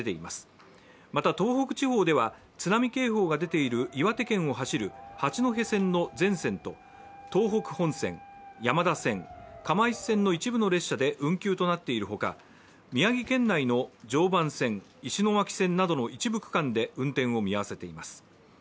また東北地方では、津波警報が出ている岩手県を走る八戸線の全線と東北本線、山田線、釜石線の一部の列車で運休となっているほか、宮城県内の常磐線、石巻線などで運転を見合わせています。